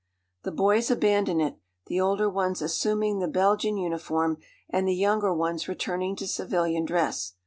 The boys abandoned it, the older ones assuming the Belgian uniform and the younger ones returning to civilian dress.